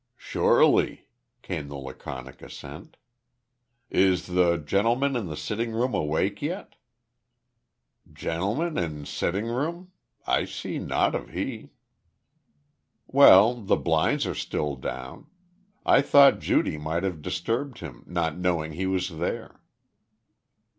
"Sure ly," came the laconic assent. "Is the gentleman in the sitting room awake yet?" "Gemmun in settin' room? I see nought o' he." "Well, the blinds are still down. I thought Judy might have disturbed him, not knowing he was here."